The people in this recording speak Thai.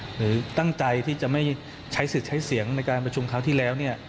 หรือตั้งใจที่จะไม่ใช้สิทธิ์ใช้เสียงในการประชุมคราวที่แล้ว